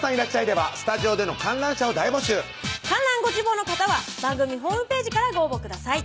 ではスタジオで観覧ご希望の方は番組ホームページからご応募ください